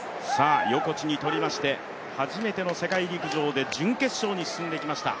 横地にとりまして、初めての世界陸上で準決勝に進んできました。